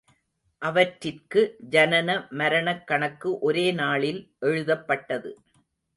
அவற்றிற்கு ஜனன மரணக் கணக்கு ஒரே நாளில் எழுதப்பட்டது.